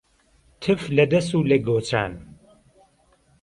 تف لەدەس و لە گۆچان